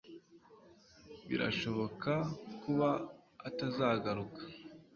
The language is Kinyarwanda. birashoboka kuba atazagaruka